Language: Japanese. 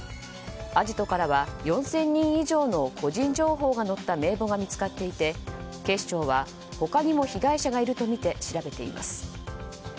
アジトからは４０００人以上の個人情報が載った名簿が見つかっていて警視庁は、他にも被害者がいるとみて調べています。